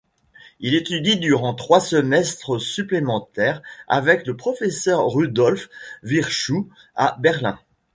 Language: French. Il étudie durant trois semestres supplémentaires, avec le professeur Rudolph Virchow à Berlin.